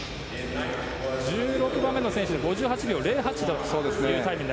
１６番目の選手で５８秒０８というタイム。